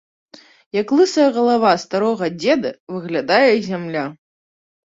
Як лысая галава старога дзеда, выглядае зямля.